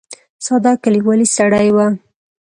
ساده کلیوالي سړی و.